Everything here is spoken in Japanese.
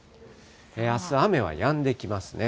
あす、雨はやんできますね。